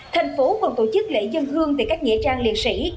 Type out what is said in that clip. thành phố còn tổ chức lễ dân hương từ các nghệ trang liệt sĩ